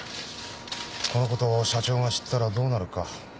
このことを社長が知ったらどうなるか。